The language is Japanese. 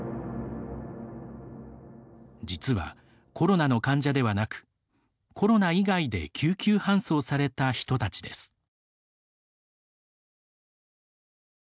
実は、コロナの患者ではなくコロナ以外で救急搬送された人たちです。